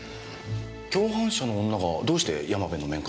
共犯者の女がどうして山部の面会に？